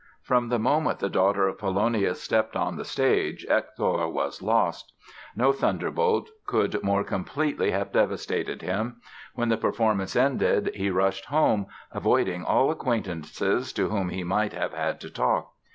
From the moment the daughter of Polonius stepped on the stage Hector was lost! No thunderbolt could more completely have devastated him. When the performance ended he rushed home, avoiding all acquaintances to whom he might have had to talk.